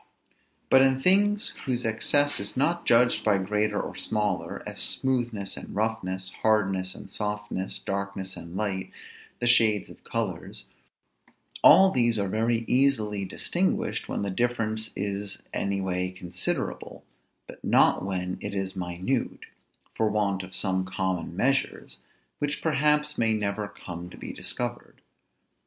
But in things whose excess is not judged by greater or smaller, as smoothness and roughness, hardness and softness, darkness and light, the shades of colors, all these are very easily distinguished when the difference is any way considerable, but not when it is minute, for want of some common measures, which perhaps may never come to be discovered.